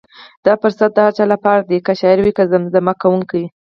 دا فرصت د هر چا لپاره دی، که شاعر وي که زمزمه کوونکی.